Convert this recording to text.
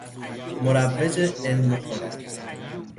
مروج علم و هنر